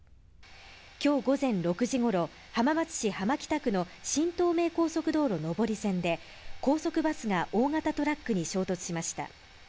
今日午前６時ごろ、浜松市浜北区の新東名高速道路上り線で高速バスが大型トラックに衝突しました。